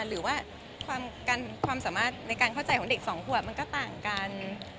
หรือว่าความสามารถในการเข้าใจของเด็กสองขวบมันก็ต่างกัน